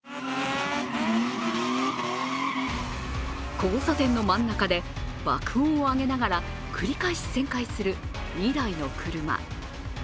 交差点の真ん中で爆音を上げながら繰り返し旋回する２台の車。